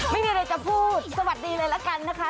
ไม่มีอะไรจะพูดสวัสดีเลยละกันนะคะ